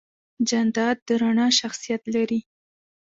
جانداد د رڼا شخصیت لري.